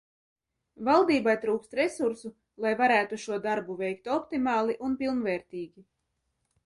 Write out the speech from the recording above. Valdībai trūkst resursu, lai varētu šo darbu veikt optimāli un pilnvērtīgi.